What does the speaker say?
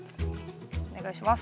お願いします。